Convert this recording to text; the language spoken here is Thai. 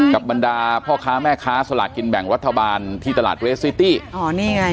บรรดาพ่อค้าแม่ค้าสลากกินแบ่งรัฐบาลที่ตลาดเรสซิตี้อ๋อนี่ไง